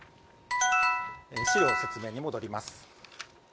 資料説明に戻ります。